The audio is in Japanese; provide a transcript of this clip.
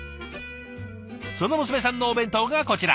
その娘さんのお弁当がこちら。